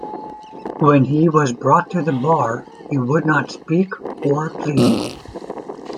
When he was brought to the bar, he would not speak or plead.